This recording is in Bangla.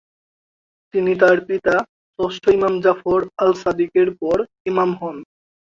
তিনি তার পিতা ষষ্ঠ ইমাম জাফর আল-সাদিকের পর ইমাম হন।